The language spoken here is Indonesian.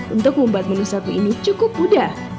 untuk membuat menu satu ini cukup mudah